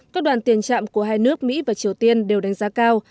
các đoàn tiền trạm của hai nước mỹ và triều tiên đều đánh giá cao